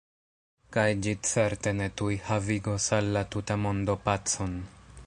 Kaj ĝi certe ne tuj havigos al la tuta mondo pacon.